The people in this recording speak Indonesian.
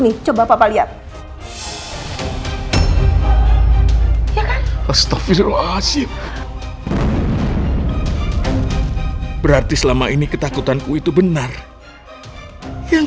nih coba papa lihat ya kan astaghfirullahaladzim berarti selama ini ketakutanku itu benar yang